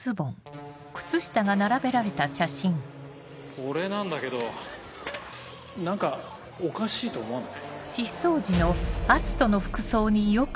これなんだけど何かおかしいと思わない？